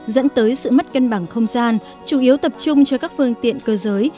dẫn tới sự mất cân bằng không gian chủ yếu tập trung cho các phương tiện cơ giới